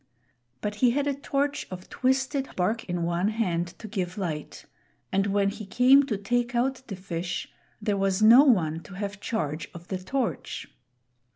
But he had a torch of twisted hark in one hand to give light, and when he came to take out the fish, there was no one to have charge of the torch.